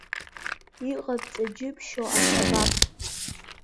Иҟабҵа џьыбшьо асабаԥ.